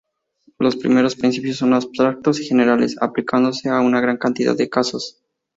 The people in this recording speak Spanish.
Los primeros principios son abstractos y generales, aplicándose a una gran cantidad de casos.